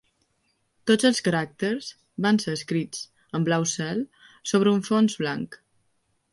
Tots els caràcters van ser escrits en blau cel sobre un fons blanc.